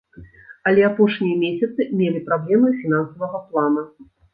Але апошнія месяцы мелі праблемы фінансавага плана.